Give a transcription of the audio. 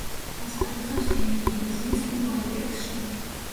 ასპარეზობს ერედივიზიის კლუბ „აიაქსში“.